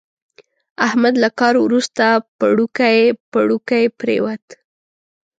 احمد له کار ورسته پړوکی پړوکی پرېوت.